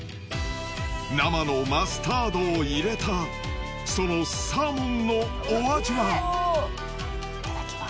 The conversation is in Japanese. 生のマスタードを入れたそのサーモンのお味は？